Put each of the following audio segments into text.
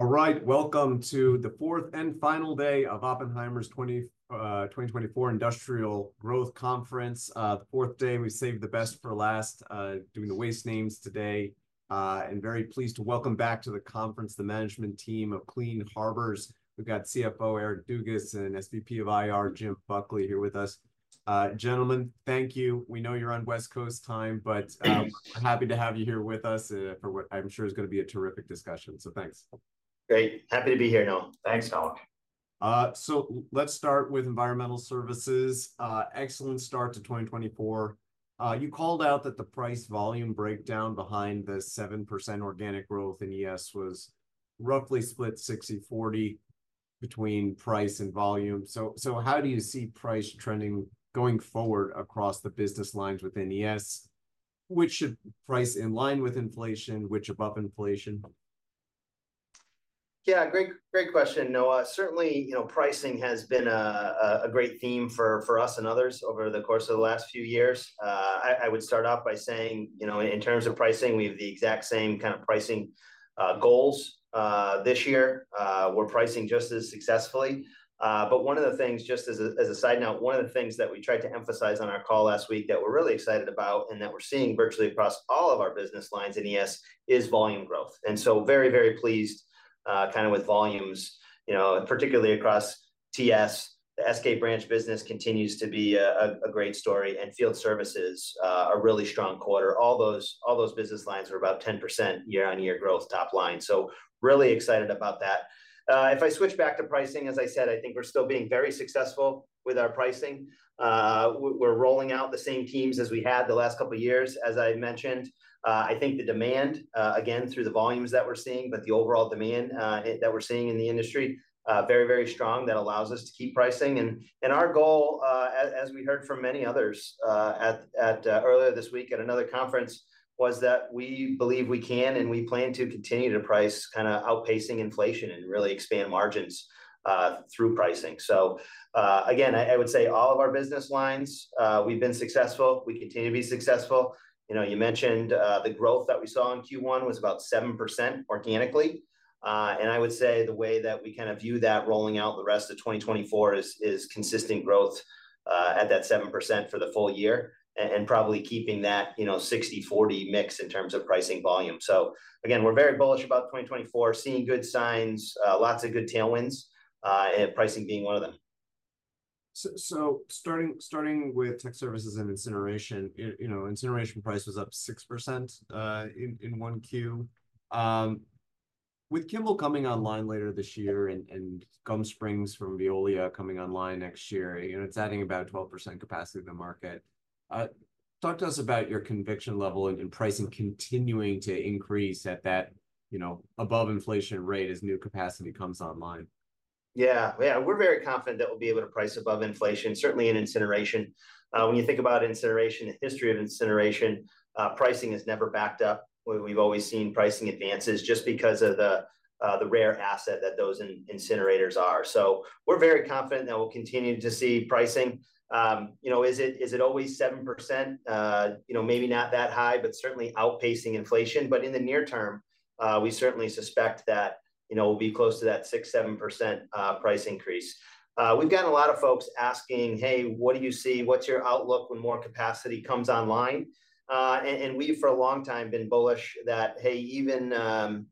All right, welcome to the fourth and final day of Oppenheimer's 2024 Industrial Growth Conference. The fourth day, we saved the best for last doing the waste names today, and very pleased to welcome back to the conference the management team of Clean Harbors. We've got CFO Eric Dugas and SVP of IR Jim Buckley here with us. Gentlemen, thank you. We know you're on West Coast time, but we're happy to have you here with us for what I'm sure is going to be a terrific discussion, so thanks. Great. Happy to be here now. Thanks, Noah. Let's start with Environmental Services. Excellent start to 2024. You called out that the price-volume breakdown behind the 7% organic growth in ES was roughly split 60/40 between price and volume. So how do you see price trending going forward across the business lines within ES? Which should price in line with inflation, which above inflation? Yeah, great, great question, Noah. Certainly, you know, pricing has been a great theme for us and others over the course of the last few years. I would start off by saying, you know, in terms of pricing, we have the exact same kind of pricing goals this year. We're pricing just as successfully. But one of the things, just as a side note, one of the things that we tried to emphasize on our call last week that we're really excited about and that we're seeing virtually across all of our business lines in ES is volume growth. And so very, very pleased kind of with volumes, you know, particularly across TS. The SK branch business continues to be a great story, and Field Services are a really strong quarter. All those business lines are about 10% year-on-year growth top line. So really excited about that. If I switch back to pricing, as I said, I think we're still being very successful with our pricing. We're rolling out the same teams as we had the last couple of years, as I mentioned. I think the demand, again, through the volumes that we're seeing, but the overall demand that we're seeing in the industry, very, very strong. That allows us to keep pricing. And our goal, as we heard from many others earlier this week at another conference, was that we believe we can and we plan to continue to price kind of outpacing inflation and really expand margins through pricing. So again, I would say all of our business lines, we've been successful. We continue to be successful. You know, you mentioned the growth that we saw in Q1 was about 7% organically. I would say the way that we kind of view that rolling out the rest of 2024 is consistent growth at that 7% for the full year and probably keeping that, you know, 60/40 mix in terms of pricing volume. So again, we're very bullish about 2024, seeing good signs, lots of good tailwinds, and pricing being one of them. Starting with Technical Services and incineration, you know, incineration price was up 6% in 1Q. With Kimball coming online later this year and Gum Springs from Veolia coming online next year, you know, it's adding about 12% capacity to the market. Talk to us about your conviction level in pricing continuing to increase at that, you know, above inflation rate as new capacity comes online. Yeah. Yeah. We're very confident that we'll be able to price above inflation, certainly in incineration. When you think about incineration, the history of incineration, pricing has never backed up. We've always seen pricing advances just because of the rare asset that those incinerators are. So we're very confident that we'll continue to see pricing. You know, is it always 7%? You know, maybe not that high, but certainly outpacing inflation. But in the near term, we certainly suspect that, you know, we'll be close to that 6%-7% price increase. We've gotten a lot of folks asking, "Hey, what do you see? What's your outlook when more capacity comes online?" And we've for a long time been bullish that, hey, even,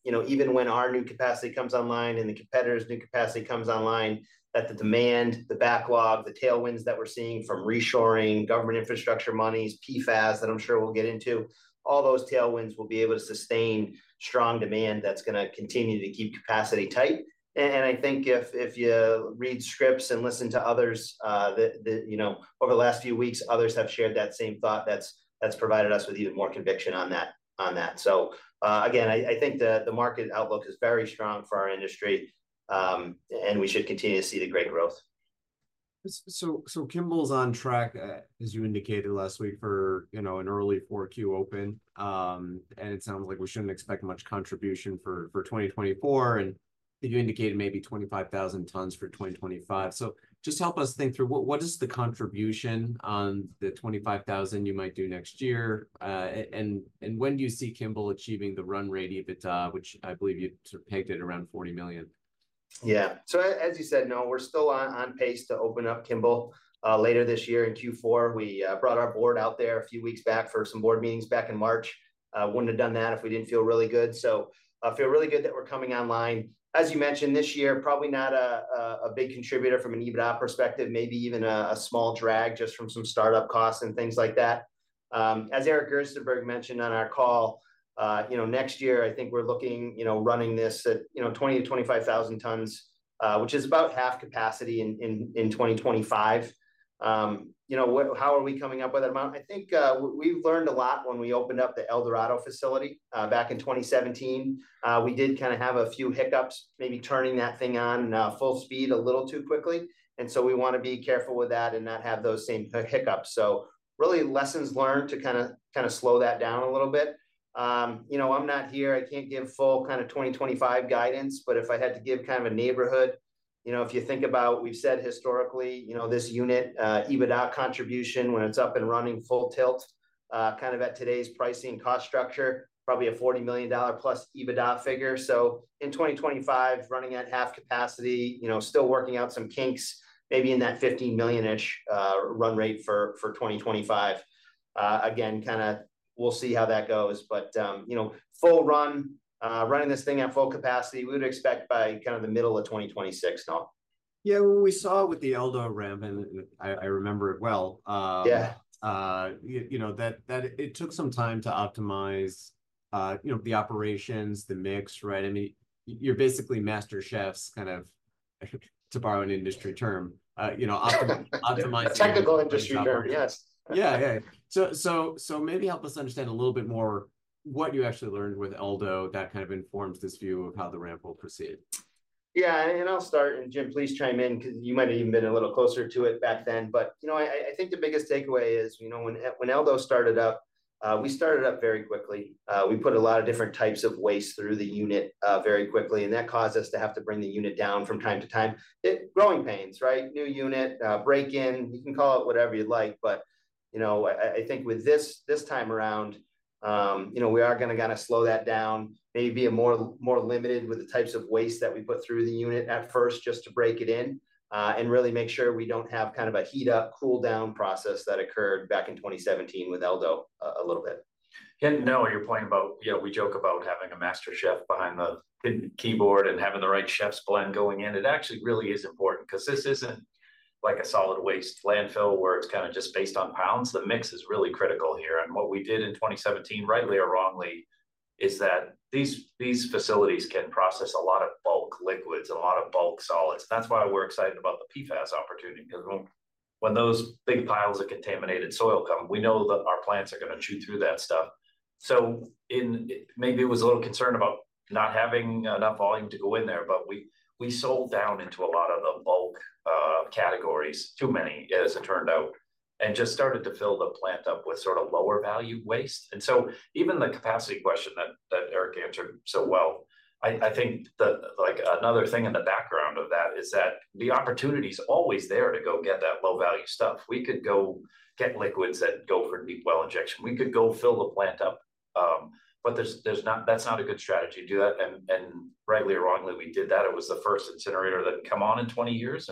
you know, even when our new capacity comes online and the competitor's new capacity comes online, that the demand, the backlog, the tailwinds that we're seeing from reshoring, government infrastructure monies, PFAS that I'm sure we'll get into, all those tailwinds will be able to sustain strong demand that's going to continue to keep capacity tight. And I think if you read scripts and listen to others, you know, over the last few weeks, others have shared that same thought that's provided us with even more conviction on that. So again, I think the market outlook is very strong for our industry, and we should continue to see the great growth. So Kimball's on track, as you indicated last week, for, you know, an early 4Q open. And it sounds like we shouldn't expect much contribution for 2024. And you indicated maybe 25,000 tons for 2025. So just help us think through, what is the contribution on the 25,000 you might do next year? And when do you see Kimball achieving the run rate, which I believe you sort of pegged at around 40 million? Yeah. So as you said, Noah, we're still on pace to open up Kimball later this year in Q4. We brought our board out there a few weeks back for some board meetings back in March. Wouldn't have done that if we didn't feel really good. So I feel really good that we're coming online. As you mentioned, this year, probably not a big contributor from an EBITDA perspective, maybe even a small drag just from some startup costs and things like that. As Eric Gerstenberg mentioned on our call, you know, next year, I think we're looking, you know, running this at, you know, 20,000-25,000 tons, which is about half capacity in 2025. You know, how are we coming up with that amount? I think we've learned a lot when we opened up the El Dorado facility back in 2017. We did kind of have a few hiccups, maybe turning that thing on full speed a little too quickly. And so we want to be careful with that and not have those same hiccups. So really lessons learned to kind of slow that down a little bit. You know, I'm not here. I can't give full kind of 2025 guidance. But if I had to give kind of a neighborhood, you know, if you think about we've said historically, you know, this unit, EBITDA contribution when it's up and running, full tilt, kind of at today's pricing cost structure, probably a $40 million plus EBITDA figure. So in 2025, running at half capacity, you know, still working out some kinks, maybe in that $15 million-ish run rate for 2025. Again, kind of we'll see how that goes. But, you know, full run, running this thing at full capacity, we would expect by kind of the middle of 2026, Noah. Yeah. Well, we saw with the El Dorado ramp, and I remember it well. Yeah. You know, that it took some time to optimize, you know, the operations, the mix, right? I mean, you're basically MasterChefs kind of, to borrow an industry term, you know, optimizing. Technical industry term, yes. Yeah, yeah. So maybe help us understand a little bit more what you actually learned with El Dorado that kind of informs this view of how the ramp will proceed. Yeah. And I'll start, and Jim, please chime in because you might have even been a little closer to it back then. But, you know, I think the biggest takeaway is, you know, when El Dorado started up, we started up very quickly. We put a lot of different types of waste through the unit very quickly. And that caused us to have to bring the unit down from time to time. Growing pains, right? New unit, break-in. You can call it whatever you'd like. But, you know, I think with this time around, you know, we are going to kind of slow that down, maybe be more limited with the types of waste that we put through the unit at first just to break it in and really make sure we don't have kind of a heat-up, cool-down process that occurred back in 2017 with El Dorado a little bit. And, Noah, you're pointing about, you know, we joke about having a MasterChef behind the keyboard and having the right chef's blend going in. It actually really is important because this isn't like a solid waste landfill where it's kind of just based on pounds. The mix is really critical here. And what we did in 2017, rightly or wrongly, is that these facilities can process a lot of bulk liquids and a lot of bulk solids. And that's why we're excited about the PFAS opportunity because when those big piles of contaminated soil come, we know that our plants are going to chew through that stuff. So maybe it was a little concern about not having enough volume to go in there, but we sold down into a lot of the bulk categories, too many, as it turned out, and just started to fill the plant up with sort of lower-value waste. And so even the capacity question that Eric answered so well, I think like another thing in the background of that is that the opportunity is always there to go get that low-value stuff. We could go get liquids that go for deep well injection. We could go fill the plant up. But that's not a good strategy. Do that. And rightly or wrongly, we did that. It was the first incinerator that had come on in 20 years.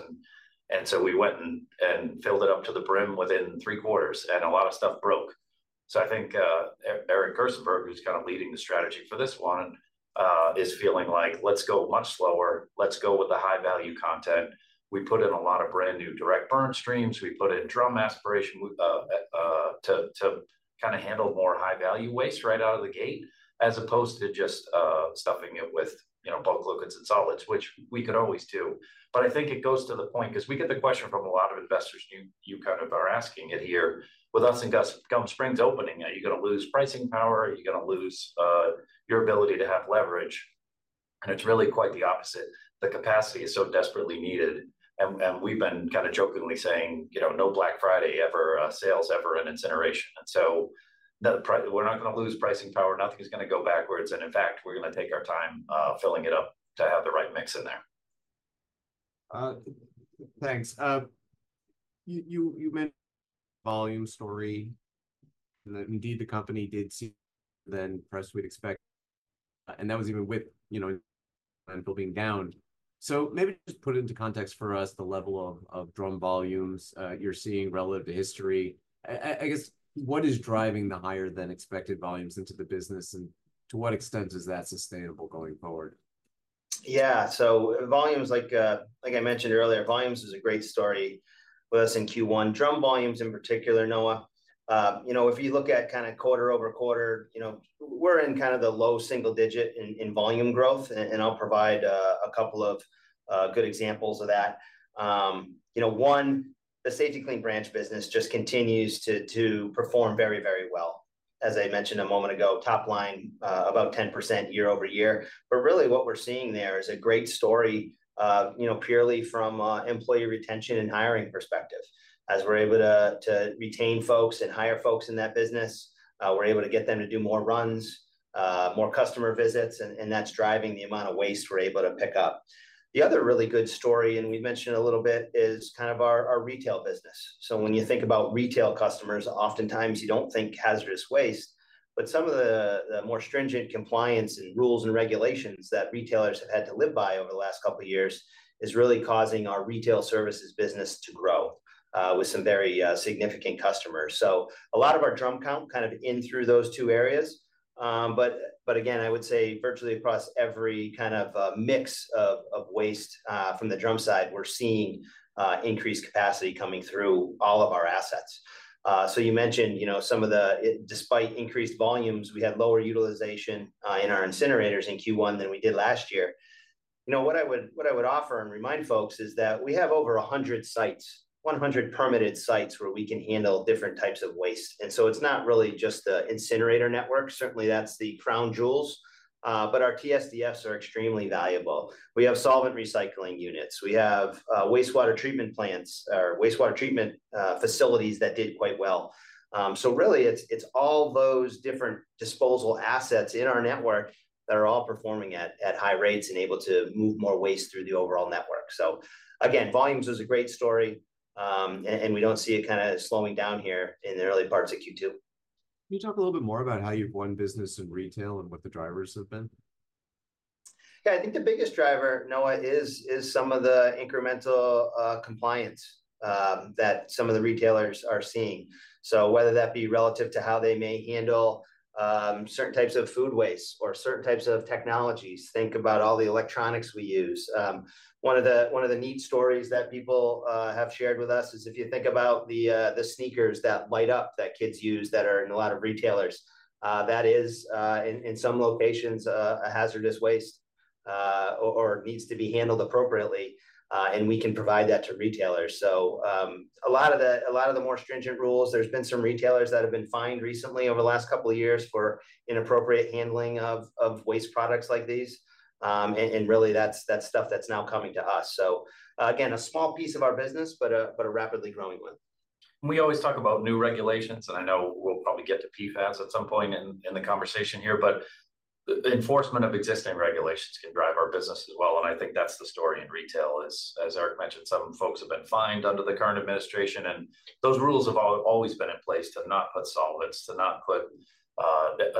And so we went and filled it up to the brim within three quarters, and a lot of stuff broke. So I think Eric Gerstenberg, who's kind of leading the strategy for this one, is feeling like, "Let's go much slower. Let's go with the high-value content." We put in a lot of brand new direct burn streams. We put in drum aspiration to kind of handle more high-value waste right out of the gate as opposed to just stuffing it with, you know, bulk liquids and solids, which we could always do. But I think it goes to the point because we get the question from a lot of investors. You kind of are asking it here. With us and Gum Springs opening, are you going to lose pricing power? Are you going to lose your ability to have leverage? And it's really quite the opposite. The capacity is so desperately needed. And we've been kind of jokingly saying, you know, no Black Friday ever, sales ever in incineration. So we're not going to lose pricing power. Nothing is going to go backwards. In fact, we're going to take our time filling it up to have the right mix in there. Thanks. You mentioned the volume story. Indeed, the company did see more than price we'd expect. And that was even with, you know, landfill being down. So maybe just put into context for us the level of drum volumes you're seeing relative to history. I guess, what is driving the higher-than-expected volumes into the business, and to what extent is that sustainable going forward? Yeah. So volumes, like I mentioned earlier, volumes is a great story with us in Q1. Drum volumes in particular, Noah. You know, if you look at kind of quarter-over-quarter, you know, we're in kind of the low single digit in volume growth. And I'll provide a couple of good examples of that. You know, one, the Safety-Kleen branch business just continues to perform very, very well. As I mentioned a moment ago, top line about 10% year-over-year. But really, what we're seeing there is a great story, you know, purely from employee retention and hiring perspective. As we're able to retain folks and hire folks in that business, we're able to get them to do more runs, more customer visits, and that's driving the amount of waste we're able to pick up. The other really good story, and we've mentioned it a little bit, is kind of our retail business. So when you think about retail customers, oftentimes you don't think hazardous waste. But some of the more stringent compliance and rules and regulations that retailers have had to live by over the last couple of years is really causing our retail services business to grow with some very significant customers. So a lot of our drum count kind of in through those two areas. But again, I would say virtually across every kind of mix of waste from the drum side, we're seeing increased capacity coming through all of our assets. So you mentioned, you know, some of the despite increased volumes, we had lower utilization in our incinerators in Q1 than we did last year. You know, what I would offer and remind folks is that we have over 100 sites, 100 permitted sites where we can handle different types of waste. And so it's not really just the incinerator network. Certainly, that's the crown jewels. But our TSDFs are extremely valuable. We have solvent recycling units. We have wastewater treatment plants or wastewater treatment facilities that did quite well. So really, it's all those different disposal assets in our network that are all performing at high rates and able to move more waste through the overall network. So again, volumes is a great story. And we don't see it kind of slowing down here in the early parts of Q2. Can you talk a little bit more about how you've won business in retail and what the drivers have been? Yeah. I think the biggest driver, Noah, is some of the incremental compliance that some of the retailers are seeing. So whether that be relative to how they may handle certain types of food waste or certain types of technologies, think about all the electronics we use. One of the neat stories that people have shared with us is if you think about the sneakers that light up that kids use that are in a lot of retailers, that is, in some locations, a hazardous waste or needs to be handled appropriately. And we can provide that to retailers. So a lot of the more stringent rules, there's been some retailers that have been fined recently over the last couple of years for inappropriate handling of waste products like these. And really, that's stuff that's now coming to us. So again, a small piece of our business, but a rapidly growing one. We always talk about new regulations. I know we'll probably get to PFAS at some point in the conversation here. But the enforcement of existing regulations can drive our business as well. I think that's the story in retail. As Eric mentioned, some folks have been fined under the current administration. Those rules have always been in place to not put solvents, to not put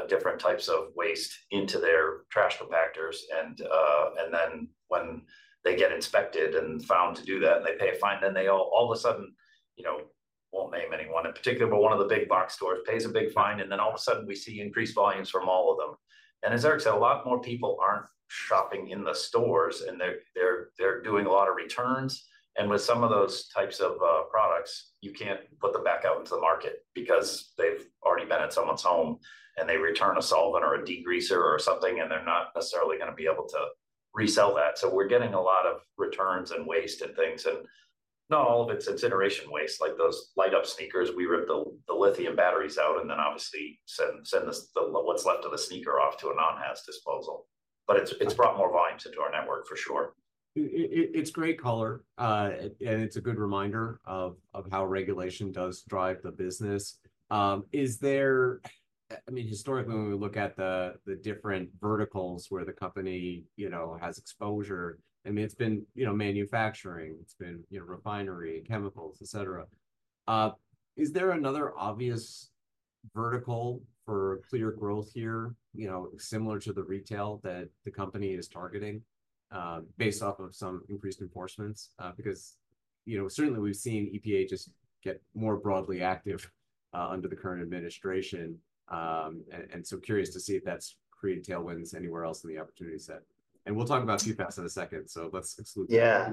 different types of waste into their trash compactors. Then when they get inspected and found to do that and they pay a fine, then they all of a sudden, you know, won't name anyone in particular, but one of the big box stores pays a big fine. Then all of a sudden, we see increased volumes from all of them. And as Eric said, a lot more people aren't shopping in the stores, and they're doing a lot of returns. And with some of those types of products, you can't put them back out into the market because they've already been at someone's home, and they return a solvent or a degreaser or something, and they're not necessarily going to be able to resell that. So we're getting a lot of returns and waste and things. And no, all of it's incineration waste, like those light-up sneakers. We rip the lithium batteries out and then obviously send what's left of the sneaker off to a non-haz disposal. But it's brought more volumes into our network, for sure. It's great color. It's a good reminder of how regulation does drive the business. Is there, I mean, historically, when we look at the different verticals where the company, you know, has exposure, I mean, it's been, you know, manufacturing. It's been, you know, refinery, chemicals, et cetera. Is there another obvious vertical for clear growth here, you know, similar to the retail that the company is targeting based off of some increased enforcement? Because, you know, certainly, we've seen EPA just get more broadly active under the current administration. Curious to see if that's created tailwinds anywhere else in the opportunity set. We'll talk about PFAS in a second. Let's exclude that. Yeah.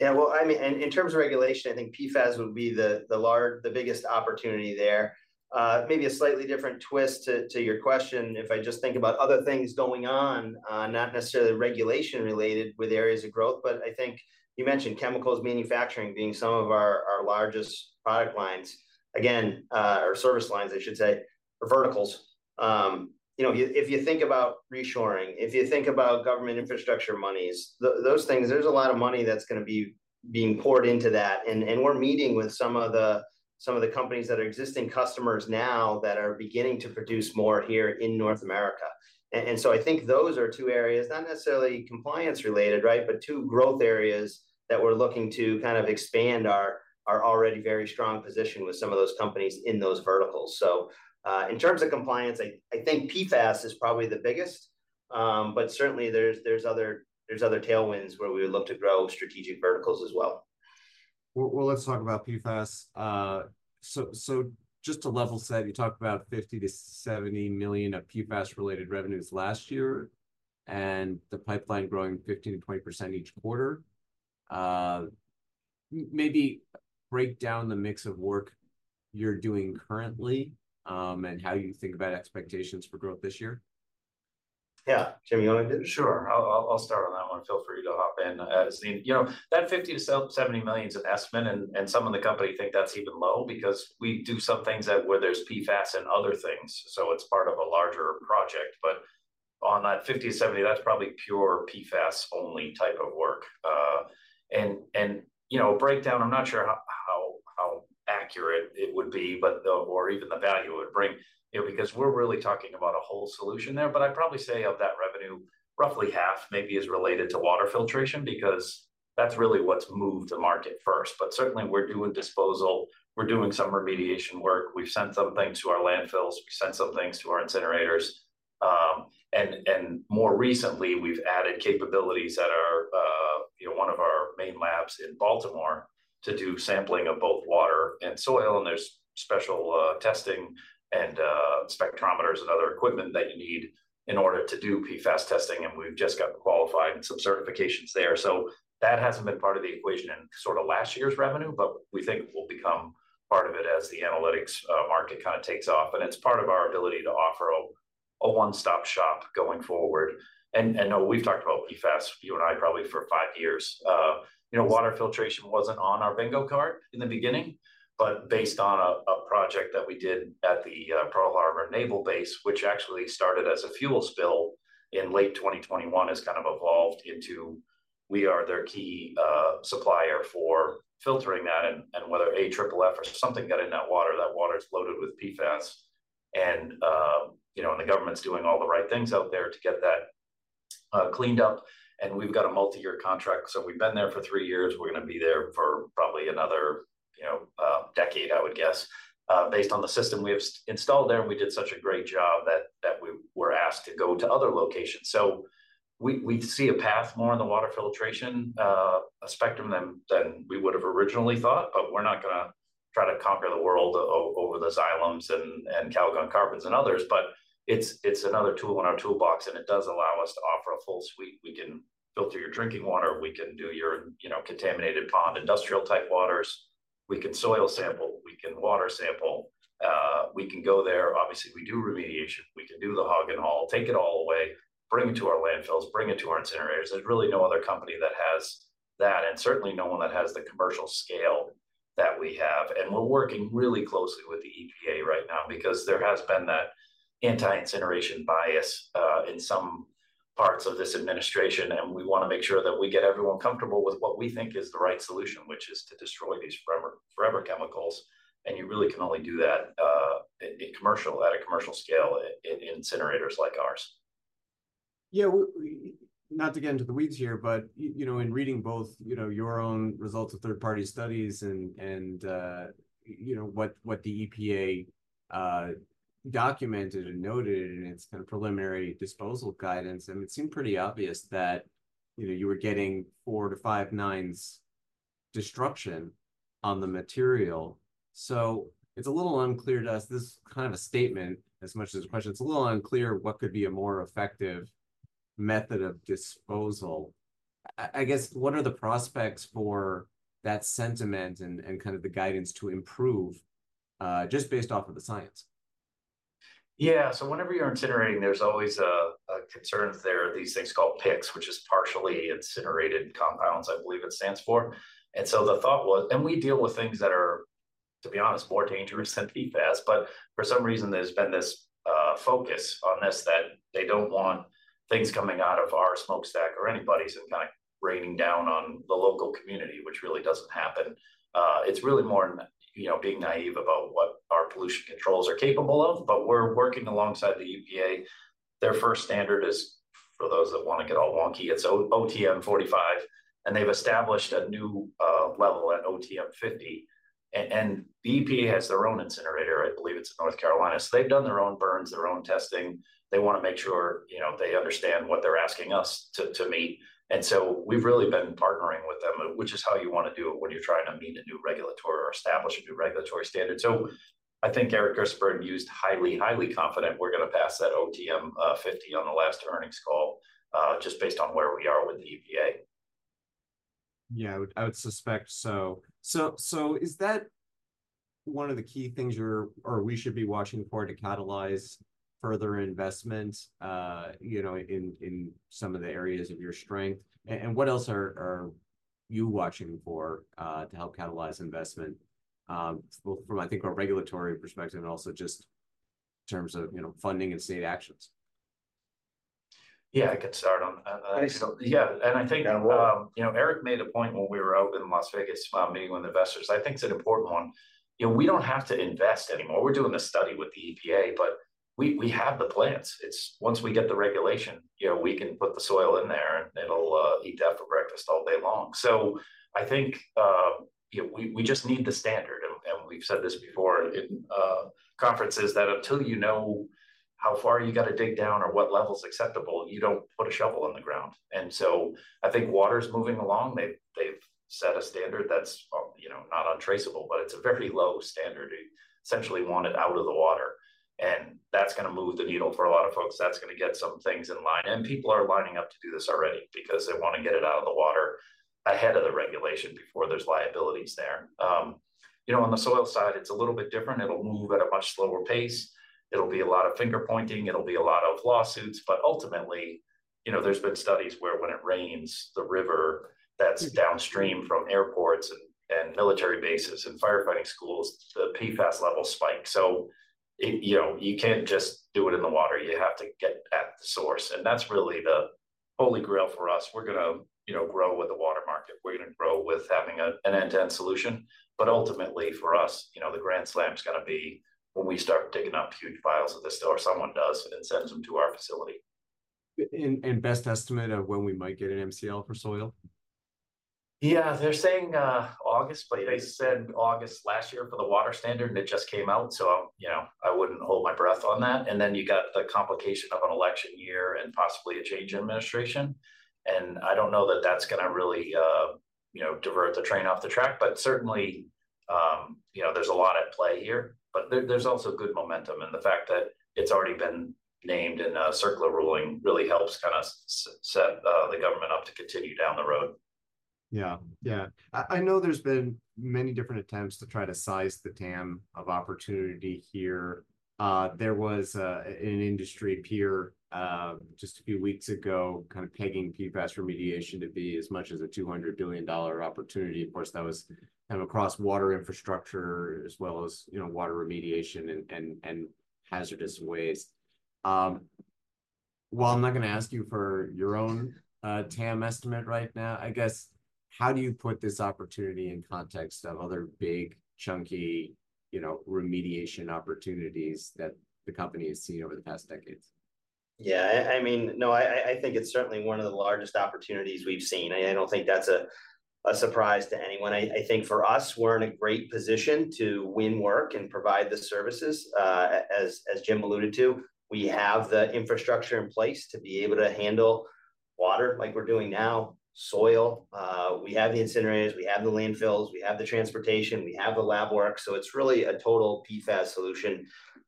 Yeah. Well, I mean, in terms of regulation, I think PFAS would be the large, the biggest opportunity there. Maybe a slightly different twist to your question if I just think about other things going on, not necessarily regulation-related with areas of growth. But I think you mentioned chemicals, manufacturing being some of our largest product lines, again, or service lines, I should say, or verticals. You know, if you think about reshoring, if you think about government infrastructure monies, those things, there's a lot of money that's going to be being poured into that. And we're meeting with some of the companies that are existing customers now that are beginning to produce more here in North America. And so I think those are two areas, not necessarily compliance-related, right, but two growth areas that we're looking to kind of expand our already very strong position with some of those companies in those verticals. So in terms of compliance, I think PFAS is probably the biggest. But certainly, there's other tailwinds where we would look to grow strategic verticals as well. Well, let's talk about PFAS. So just to level set, you talked about $50 million-$70 million of PFAS-related revenues last year and the pipeline growing 15%-20% each quarter. Maybe break down the mix of work you're doing currently and how you think about expectations for growth this year. Yeah. Jim, you want to do it? Sure. I'll start on that one. Feel free to hop in. You know, that $50 million-$70 million is an estimate. And some in the company think that's even low because we do some things where there's PFAS and other things. So it's part of a larger project. But on that $50 million-$70 million, that's probably pure PFAS-only type of work. And, you know, a breakdown, I'm not sure how accurate it would be, but or even the value it would bring, you know, because we're really talking about a whole solution there. But I'd probably say of that revenue, roughly half maybe is related to water filtration because that's really what's moved the market first. But certainly, we're doing disposal. We're doing some remediation work. We've sent some things to our landfills. We've sent some things to our incinerators. More recently, we've added capabilities at our, you know, one of our main labs in Baltimore to do sampling of both water and soil. There's special testing and spectrometers and other equipment that you need in order to do PFAS testing. We've just gotten qualified and some certifications there. So that hasn't been part of the equation in sort of last year's revenue, but we think it will become part of it as the analytics market kind of takes off. It's part of our ability to offer a one-stop shop going forward. No, we've talked about PFAS, you and I, probably for five years. You know, water filtration wasn't on our bingo card in the beginning, but based on a project that we did at the Pearl Harbor Naval Base, which actually started as a fuel spill in late 2021, has kind of evolved into we are their key supplier for filtering that. And whether AFFF or something got in that water, that water is loaded with PFAS. And, you know, and the government's doing all the right things out there to get that cleaned up. And we've got a multi-year contract. So we've been there for 3 years. We're going to be there for probably another, you know, decade, I would guess, based on the system we have installed there. And we did such a great job that we were asked to go to other locations. So we see a path more in the water filtration spectrum than we would have originally thought. But we're not going to try to conquer the world over the Xylems and Calgon Carbons and others. It's another tool in our toolbox. It does allow us to offer a full suite. We can filter your drinking water. We can do your, you know, contaminated pond, industrial-type waters. We can soil sample. We can water sample. We can go there. Obviously, we do remediation. We can do the hog and haul, take it all away, bring it to our landfills, bring it to our incinerators. There's really no other company that has that. Certainly, no one that has the commercial scale that we have. We're working really closely with the EPA right now because there has been that anti-incineration bias in some parts of this administration. We want to make sure that we get everyone comfortable with what we think is the right solution, which is to destroy these forever chemicals. You really can only do that at a commercial scale in incinerators like ours. Yeah. Not to get into the weeds here, but, you know, in reading both, you know, your own results of third-party studies and, you know, what the EPA documented and noted in its kind of preliminary disposal guidance, I mean, it seemed pretty obvious that, you know, you were getting 4-5 nines destruction on the material. So it's a little unclear to us. This is kind of a statement as much as a question. It's a little unclear what could be a more effective method of disposal. I guess, what are the prospects for that sentiment and kind of the guidance to improve just based off of the science? Yeah. So whenever you're incinerating, there's always concerns there, these things called PICs, which is partially incinerated compounds, I believe it stands for. And so the thought was, and we deal with things that are, to be honest, more dangerous than PFAS. But for some reason, there's been this focus on this that they don't want things coming out of our smoke stack or anybody's and kind of raining down on the local community, which really doesn't happen. It's really more, you know, being naive about what our pollution controls are capable of. But we're working alongside the EPA. Their first standard is, for those that want to get all wonky, it's OTM 45. And they've established a new level at OTM 50. And the EPA has their own incinerator, I believe it's in North Carolina. So they've done their own burns, their own testing. They want to make sure, you know, they understand what they're asking us to meet. And so we've really been partnering with them, which is how you want to do it when you're trying to meet a new regulatory or establish a new regulatory standard. So I think Eric Gerstenberg used highly, highly confident we're going to pass that OTM 50 on the last earnings call just based on where we are with the EPA. Yeah, I would suspect so. So is that one of the key things you're or we should be watching for to catalyze further investment, you know, in some of the areas of your strength? And what else are you watching for to help catalyze investment both from, I think, our regulatory perspective and also just in terms of, you know, funding and state actions? Yeah. I could start on that. Yeah. And I think, you know, Eric made a point when we were out in Las Vegas meeting with investors. I think it's an important one. You know, we don't have to invest anymore. We're doing the study with the EPA, but we have the plants. It's once we get the regulation, you know, we can put the soil in there and it'll eat death for breakfast all day long. So I think, you know, we just need the standard. And we've said this before in conferences that until you know how far you got to dig down or what level's acceptable, you don't put a shovel in the ground. And so I think water's moving along. They've set a standard that's, you know, not untraceable, but it's a very low standard. You essentially want it out of the water. And that's going to move the needle for a lot of folks. That's going to get some things in line. And people are lining up to do this already because they want to get it out of the water ahead of the regulation before there's liabilities there. You know, on the soil side, it's a little bit different. It'll move at a much slower pace. It'll be a lot of finger-pointing. It'll be a lot of lawsuits. But ultimately, you know, there's been studies where when it rains, the river that's downstream from airports and military bases and firefighting schools, the PFAS levels spike. So you know, you can't just do it in the water. You have to get at the source. And that's really the holy grail for us. We're going to, you know, grow with the water market. We're going to grow with having an end-to-end solution. But ultimately, for us, you know, the grand slam's going to be when we start digging up huge piles of this stuff or someone does and sends them to our facility. Best estimate of when we might get an MCL for soil? Yeah. They're saying August, but they said August last year for the water standard. And it just came out. So I'm, you know, I wouldn't hold my breath on that. And then you got the complication of an election year and possibly a change in administration. And I don't know that that's going to really, you know, divert the train off the track. But certainly, you know, there's a lot at play here. But there's also good momentum. And the fact that it's already been named in a CERCLA ruling really helps kind of set the government up to continue down the road. Yeah. Yeah. I know there's been many different attempts to try to size the TAM of opportunity here. There was an industry peer just a few weeks ago kind of pegging PFAS remediation to be as much as a $200 billion opportunity. Of course, that was kind of across water infrastructure as well as, you know, water remediation and hazardous waste. While I'm not going to ask you for your own TAM estimate right now, I guess, how do you put this opportunity in context of other big, chunky, you know, remediation opportunities that the company has seen over the past decades? Yeah. I mean, no, I think it's certainly one of the largest opportunities we've seen. I don't think that's a surprise to anyone. I think for us, we're in a great position to win work and provide the services. As Jim alluded to, we have the infrastructure in place to be able to handle water like we're doing now, soil. We have the incinerators. We have the landfills. We have the transportation. We have the lab work. So it's really a total PFAS solution.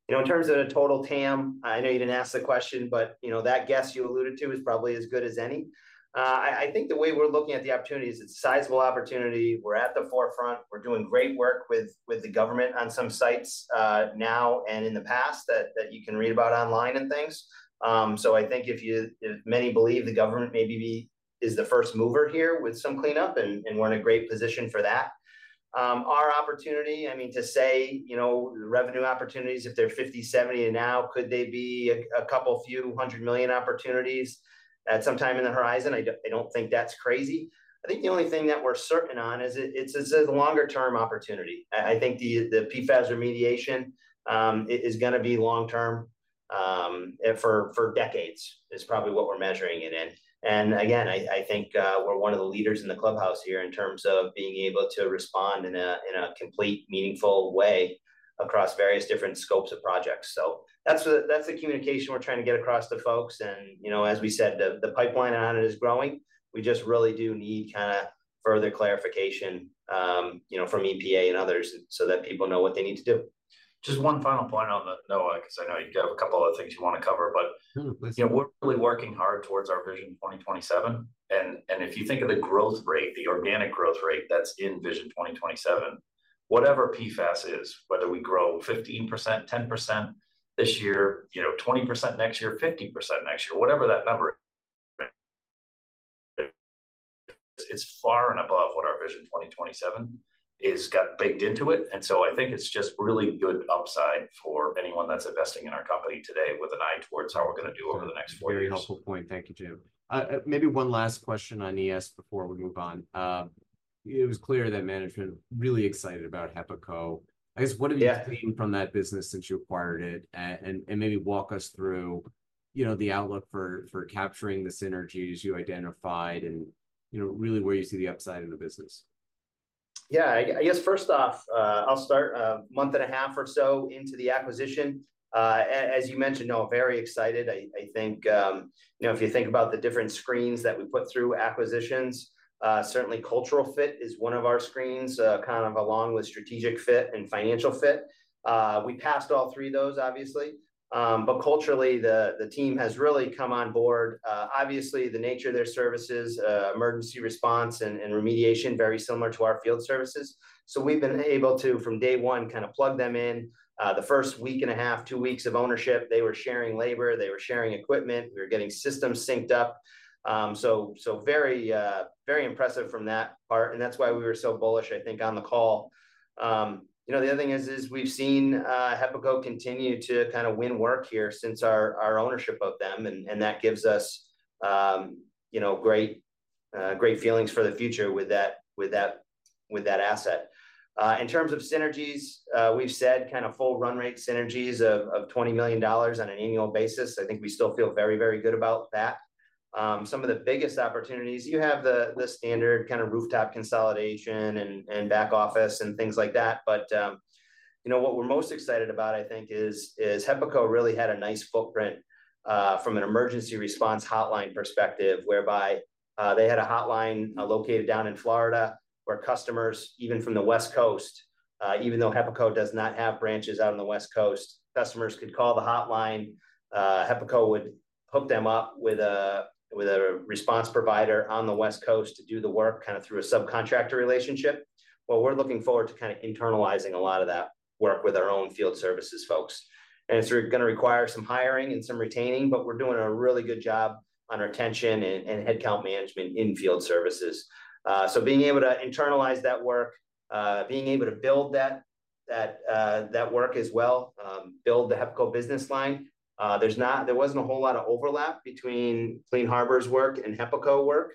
You know, in terms of a total TAM, I know you didn't ask the question, but you know, that guess you alluded to is probably as good as any. I think the way we're looking at the opportunity is it's a sizable opportunity. We're at the forefront. We're doing great work with the government on some sites now and in the past that you can read about online and things. So I think if many believe the government maybe is the first mover here with some cleanup and we're in a great position for that. Our opportunity, I mean, to say, you know, revenue opportunities, if they're $50-$70 now, could they be a couple few 100 million opportunities at some time in the horizon? I don't think that's crazy. I think the only thing that we're certain on is it's a longer-term opportunity. I think the PFAS remediation is going to be long-term for decades is probably what we're measuring it in. And again, I think we're one of the leaders in the clubhouse here in terms of being able to respond in a complete, meaningful way across various different scopes of projects. That's the communication we're trying to get across to folks. You know, as we said, the pipeline on it is growing. We just really do need kind of further clarification, you know, from EPA and others so that people know what they need to do. Just one final point on that, Noah, because I know you've got a couple other things you want to cover. But you know, we're really working hard towards our Vision 2027. And if you think of the growth rate, the organic growth rate that's in Vision 2027, whatever PFAS is, whether we grow 15%, 10% this year, you know, 20% next year, 50% next year, whatever that number is, it's far and above what our Vision 2027 has got baked into it. And so I think it's just really good upside for anyone that's investing in our company today with an eye towards how we're going to do over the next four years. Very helpful point. Thank you, Jim. Maybe one last question on ES before we move on. It was clear that management really excited about HEPACO. I guess, what have you seen from that business since you acquired it? And maybe walk us through, you know, the outlook for capturing the synergies you identified and, you know, really where you see the upside in the business. Yeah. I guess first off, I'll start a month and a half or so into the acquisition. As you mentioned, Noah, very excited. I think, you know, if you think about the different screens that we put through acquisitions, certainly cultural fit is one of our screens, kind of along with strategic fit and financial fit. We passed all three of those, obviously. But culturally, the team has really come on board. Obviously, the nature of their services, emergency response and remediation, very similar to our field services. So we've been able to, from day one, kind of plug them in. The first week and a half, two weeks of ownership, they were sharing labor. They were sharing equipment. We were getting systems synced up. So very impressive from that part. And that's why we were so bullish, I think, on the call. You know, the other thing is we've seen HEPACO continue to kind of win work here since our ownership of them. And that gives us, you know, great feelings for the future with that asset. In terms of synergies, we've said kind of full run rate synergies of $20 million on an annual basis. I think we still feel very, very good about that. Some of the biggest opportunities, you have the standard kind of rooftop consolidation and back office and things like that. But you know, what we're most excited about, I think, is HEPACO really had a nice footprint from an emergency response hotline perspective whereby they had a hotline located down in Florida where customers, even from the West Coast, even though HEPACO does not have branches out on the West Coast, customers could call the hotline. HEPACO would hook them up with a response provider on the West Coast to do the work kind of through a subcontractor relationship. Well, we're looking forward to kind of internalizing a lot of that work with our own field services folks. And it's going to require some hiring and some retaining, but we're doing a really good job on retention and headcount management in field services. So being able to internalize that work, being able to build that work as well, build the HEPACO business line. There wasn't a whole lot of overlap between Clean Harbors work and HEPACO work,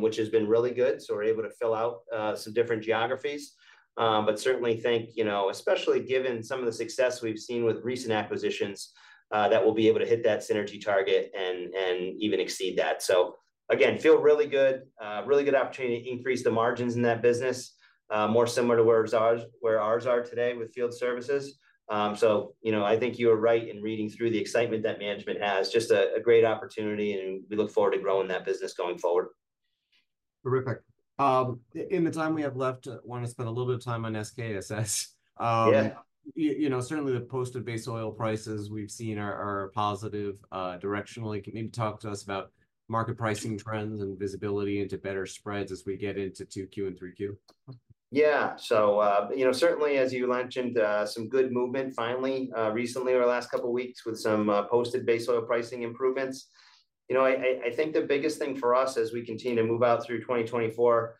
which has been really good. So we're able to fill out some different geographies. But certainly think, you know, especially given some of the success we've seen with recent acquisitions, that we'll be able to hit that synergy target and even exceed that. So, again, feel really good, really good opportunity to increase the margins in that business, more similar to where ours are today with field services. So you know, I think you were right in reading through the excitement that management has. Just a great opportunity. And we look forward to growing that business going forward. Terrific. In the time we have left, I want to spend a little bit of time on SKSS. You know, certainly the posted base oil prices we've seen are positive directionally. Can you maybe talk to us about market pricing trends and visibility into better spreads as we get into 2Q and 3Q? Yeah. So you know, certainly, as you mentioned, some good movement finally recently over the last couple of weeks with some posted base oil pricing improvements. You know, I think the biggest thing for us as we continue to move out through 2024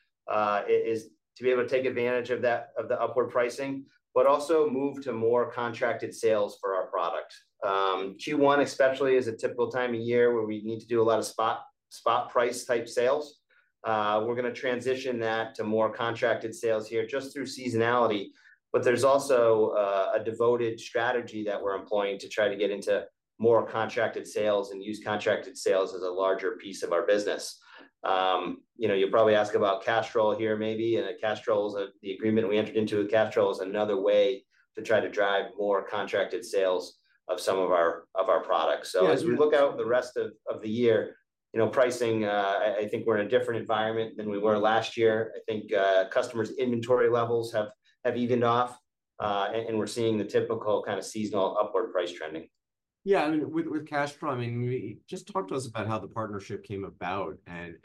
is to be able to take advantage of that upward pricing, but also move to more contracted sales for our product. Q1 especially is a typical time of year where we need to do a lot of spot price type sales. We're going to transition that to more contracted sales here just through seasonality. But there's also a deliberate strategy that we're employing to try to get into more contracted sales and use contracted sales as a larger piece of our business. You know, you'll probably ask about Castrol here maybe. Castrol is the agreement we entered into with Castrol is another way to try to drive more contracted sales of some of our products. As we look out the rest of the year, you know, pricing, I think we're in a different environment than we were last year. I think customers' inventory levels have evened off. We're seeing the typical kind of seasonal upward price trending. Yeah. I mean, with Castrol, I mean, just talk to us about how the partnership came about and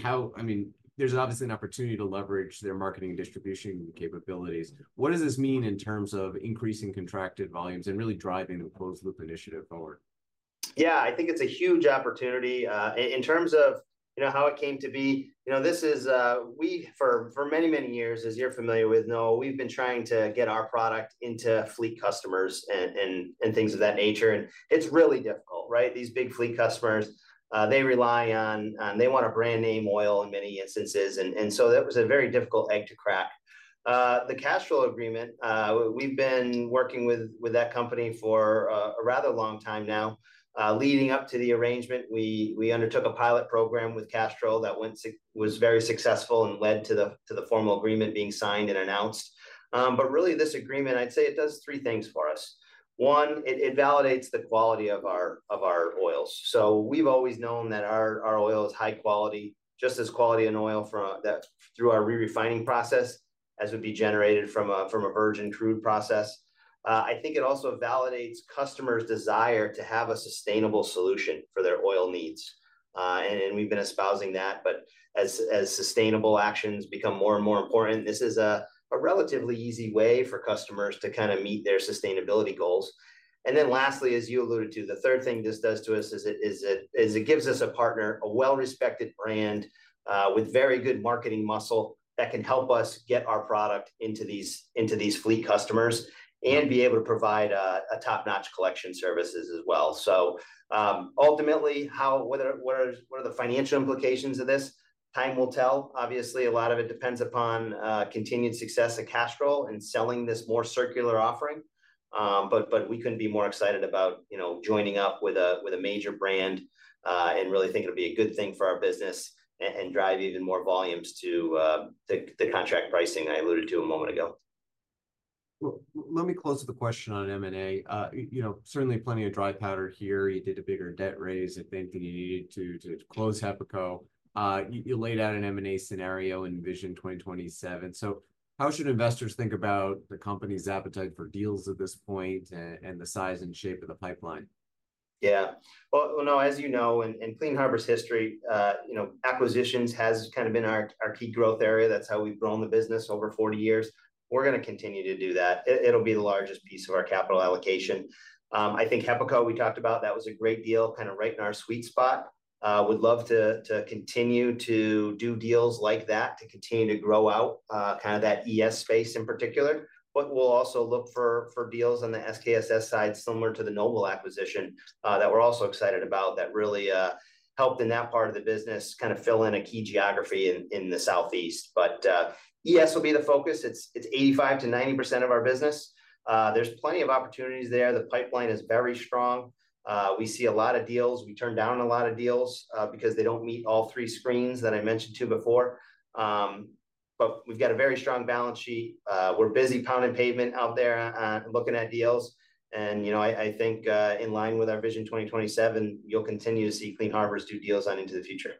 how, I mean, there's obviously an opportunity to leverage their marketing and distribution capabilities. What does this mean in terms of increasing contracted volumes and really driving the closed-loop initiative forward? Yeah. I think it's a huge opportunity. In terms of, you know, how it came to be, you know, this is, we, for many, many years, as you're familiar with, Noah, we've been trying to get our product into fleet customers and things of that nature. It's really difficult, right? These big fleet customers, they rely on, they want a brand name oil in many instances. So that was a very difficult egg to crack. The Castrol agreement, we've been working with that company for a rather long time now. Leading up to the arrangement, we undertook a pilot program with Castrol that was very successful and led to the formal agreement being signed and announced. But really, this agreement, I'd say it does three things for us. One, it validates the quality of our oils. So we've always known that our oil is high quality, just as quality as an oil through our re-refining process as would be generated from a virgin crude process. I think it also validates customers' desire to have a sustainable solution for their oil needs. And we've been espousing that. But as sustainable actions become more and more important, this is a relatively easy way for customers to kind of meet their sustainability goals. And then lastly, as you alluded to, the third thing this does to us is it gives us a partner, a well-respected brand with very good marketing muscle that can help us get our product into these fleet customers and be able to provide top-notch collection services as well. So ultimately, what are the financial implications of this? Time will tell. Obviously, a lot of it depends upon continued success at Castrol in selling this more circular offering. But we couldn't be more excited about, you know, joining up with a major brand and really think it'll be a good thing for our business and drive even more volumes to the contract pricing I alluded to a moment ago. Let me close with a question on M&A. You know, certainly plenty of dry powder here. You did a bigger debt raise, I think, than you needed to close HEPACO. You laid out an M&A scenario in Vision 2027. So how should investors think about the company's appetite for deals at this point and the size and shape of the pipeline? Yeah. Well, Noah, as you know, in Clean Harbors history, you know, acquisitions has kind of been our key growth area. That's how we've grown the business over 40 years. We're going to continue to do that. It'll be the largest piece of our capital allocation. I think HEPACO, we talked about, that was a great deal kind of right in our sweet spot. Would love to continue to do deals like that, to continue to grow out kind of that ES space in particular. But we'll also look for deals on the SKSS side similar to the Noble acquisition that we're also excited about that really helped in that part of the business kind of fill in a key geography in the Southeast. But ES will be the focus. It's 85%-90% of our business. There's plenty of opportunities there. The pipeline is very strong. We see a lot of deals. We turn down a lot of deals because they don't meet all three screens that I mentioned to before. But we've got a very strong balance sheet. We're busy pounding pavement out there looking at deals. And you know, I think in line with our Vision 2027, you'll continue to see Clean Harbors do deals on into the future.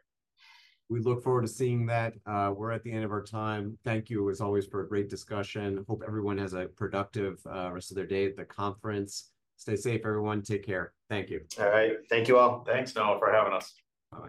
We look forward to seeing that. We're at the end of our time. Thank you, as always, for a great discussion. Hope everyone has a productive rest of their day at the conference. Stay safe, everyone. Take care. Thank you. All right. Thank you all. Thanks, Noah, for having us.